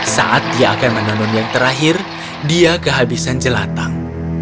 saat dia akan menenun yang terakhir dia kehabisan jelatang